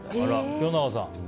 清永さん